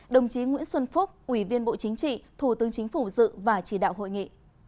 đồng chí nguyễn xuân phúc ủy viên bộ chính trị thủ tướng chính phủ dự và chỉ đạo hội nghị